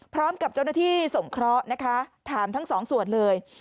พร้อมกับเจ้าหน้าที่สงเคราะห์นะคะถามทั้งสองส่วนเลย